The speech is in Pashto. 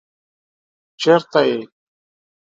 چېرته يې؟